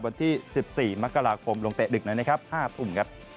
วันที่๑๔มกราคมลงเตะดึกหน่อย๕ทุ่ม